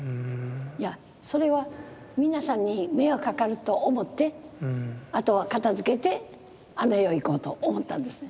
いやそれは皆さんに迷惑かかると思ってあとは片づけてあの世へ行こうと思ったんですね。